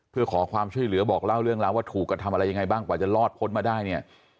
เพื่อขอความช่วยเหลือบอกเล่าเรื่องราวว่าถูกกระทำอะไรยังไงบ้างกว่าจะรอดพ้นมาได้เนี่ย